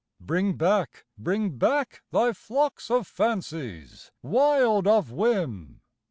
Bring back, bring back Thy flocks of fancies, wild of whim.